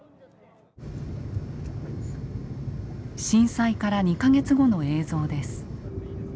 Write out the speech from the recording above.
震災から２か月後の映像です。